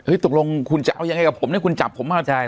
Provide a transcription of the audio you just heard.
เฮ้ยตกลงคุณจะเอายังไงกับผมให้คุณจับผมมาใช่